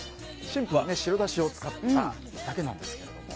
シンプルに白だしを使っただけなんですけども。